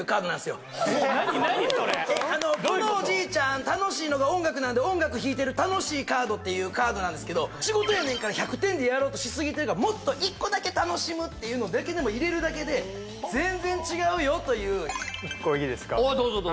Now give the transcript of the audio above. このおじいちゃん楽しいのが音楽なんで音楽弾いてる楽しいカードっていうカードなんですけど仕事やねんから１００点でやろうとしすぎてるからもっと１個だけ楽しむっていうのだけでも入れるだけで全然違うよという１個いいですか